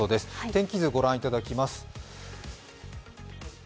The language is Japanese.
天気図御覧いただきます。